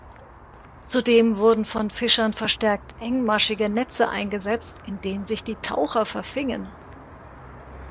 Zudem wurden von Fischern verstärkt engmaschige Netze eingesetzt, in denen sich die Taucher verfingen.